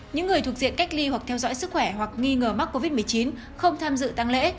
những người thuộc diện cách ly hoặc theo dõi sức khỏe hoặc nghi ngờ mắc covid một mươi chín không tham dự tăng lễ